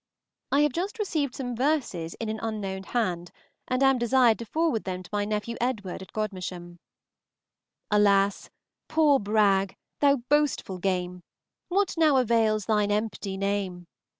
I have just received some verses in an unknown hand, and am desired to forward them to my nephew Edward at Godmersham. Alas! poor Brag, thou boastful game! What now avails thine empty name?